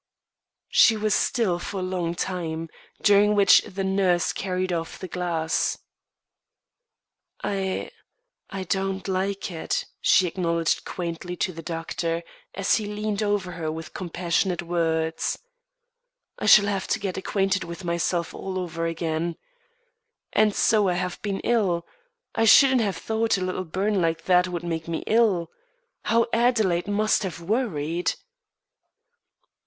She was still for a long time, during which the nurse carried off the glass. "I I don't like it," she acknowledged quaintly to the doctor, as he leaned over her with compassionate words. "I shall have to get acquainted with myself all over again. And so I have been ill! I shouldn't have thought a little burn like that would make me ill. How Adelaide must have worried."